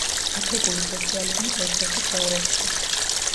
აფრიკული სოციალიზმის ერთ-ერთი თეორეტიკოსი.